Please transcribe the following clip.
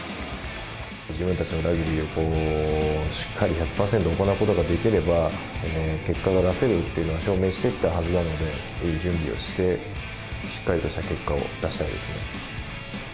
自分たちのラグビーをしっかり１００％行うことができれば、結果は出せるというのは証明してきたはずなので、いい準備をして、しっかりとした結果を出したいですね。